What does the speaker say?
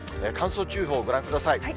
乾燥注意報、ご覧ください。